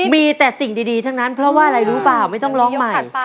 มีแต่สิ่งดีทั้งนั้นเพราะว่าอะไรรู้เปล่า